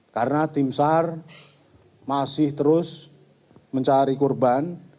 karena tim sar masih terus mencari korban